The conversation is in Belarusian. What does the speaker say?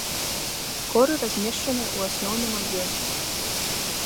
Хоры размешчаныя ў асноўным аб'ёме.